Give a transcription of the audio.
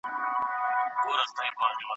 تاسي باید په خپلو خبرو کې منطق ولرئ.